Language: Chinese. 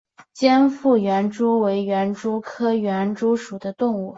尖腹园蛛为园蛛科园蛛属的动物。